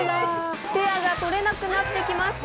スペアが取れなくなってきました。